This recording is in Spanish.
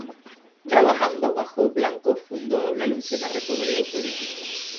Trabajando bajo Blanco fundó la Luisiana Recovery Authority.